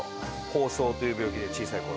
疱瘡という病気で小さい頃。